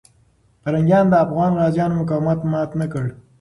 پرنګیان د افغان غازیانو مقاومت مات نه کړ.